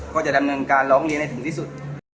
ก็จะดำเนินการร้องเรียนให้ถึงที่สุด